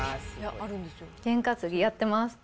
ゲン担ぎやってます。